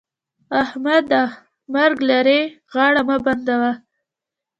احمده! مرګ لرې؛ غاړه مه بندوه.